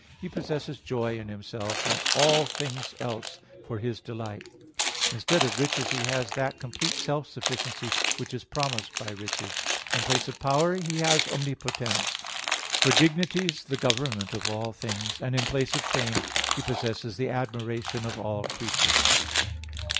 iii, 10), He possesses joy in Himself and all things else for His delight; instead of riches He has that complete self sufficiency, which is promised by riches; in place of power, He has omnipotence; for dignities, the government of all things; and in place of fame, He possesses the admiration of all creatures.